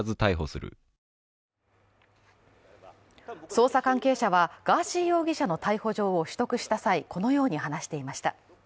捜査関係者は、ガーシー容疑者の逮捕状を取得した際、このように話していました。